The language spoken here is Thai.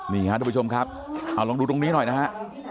นี่ฮะทุกผู้ชมครับเอาลองดูตรงนี้หน่อยนะฮะ